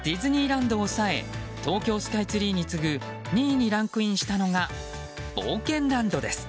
ランドを抑え東京スカイツリーに次ぐ２位にランクインしたのが冒険ランドです。